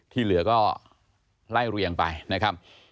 ที่เหลือก็ไล่เรียงไปนะครับ